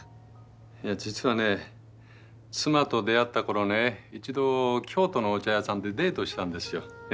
いや実はね妻と出会った頃ね一度京都のお茶屋さんでデートしたんですよ。